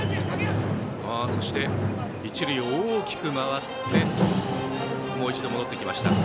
一塁を大きく回ってもう一度、戻ってきました。